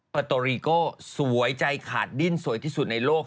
โตรีโก้สวยใจขาดดิ้นสวยที่สุดในโลก